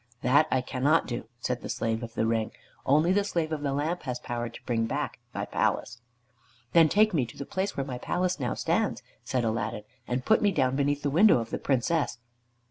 "That I cannot do," said the Slave of the Ring. "Only the Slave of the Lamp has power to bring back thy palace." "Then take me to the place where my palace now stands," said Aladdin, "and put me down beneath the window of the Princess."